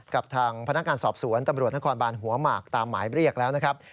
กับทางพนักงานสอบสวนตำรวจนครบานหัวหมากตามหมายเรียกแล้วนะครับ